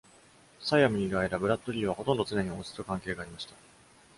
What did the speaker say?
サイアムにいる間、ブラッドリーはほとんど常に王室と関係がありました。